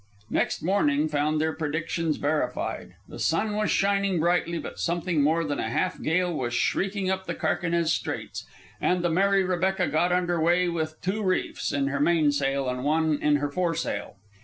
Next morning found their predictions verified. The sun was shining brightly, but something more than a half gale was shrieking up the Carquinez Straits, and the Mary Rebecca got under way with two reefs in her mainsail and one in her foresail.